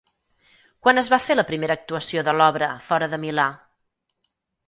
Quan es va fer la primera actuació de l'obra fora de Milà?